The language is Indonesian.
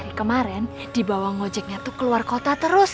dari kemarin dibawa ngojeknya tuh keluar kota terus